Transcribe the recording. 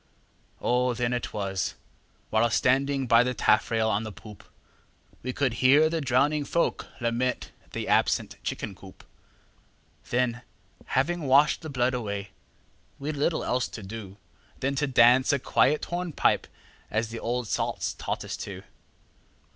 O! then it was (while standing by the taffrail on the poop) We could hear the drowning folk lament the absent chicken coop; Then, having washed the blood away, we'd little else to do Than to dance a quiet hornpipe as the old salts taught us to.